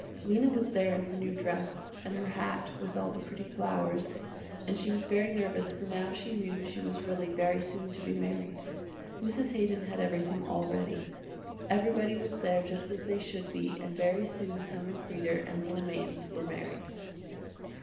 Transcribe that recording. Lena was there in her new dress, and her hat with all the pretty flowers, and she was very nervous for now she knew she was really very soon to be married. Mrs. Haydon had everything all ready. Everybody was there just as they should be and very soon Herman Kreder and Lena Mainz were married.